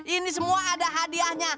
ini semua ada hadiahnya